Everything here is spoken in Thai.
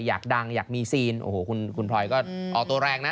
อยากดังอยากมีซีนโอ้โหคุณพลอยก็ออกตัวแรงนะ